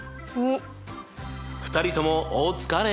２人ともお疲れ！